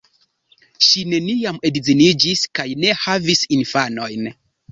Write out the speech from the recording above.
Ŝi neniam edziniĝis kaj ne havis infanojn.